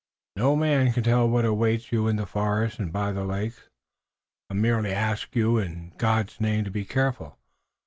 No man can tell what awaits you in the forest and by the lakes. I merely ask you in God's name to be careful!